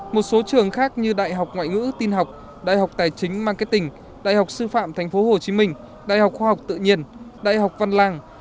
một số trường khác như đại học ngoại ngữ tin học đại học tài chính marketing đại học sư phạm tp hcm đại học khoa học tự nhiên đại học văn lang